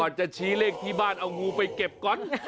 จะชี้เลขที่บ้านเอางูไปเก็บก๊อต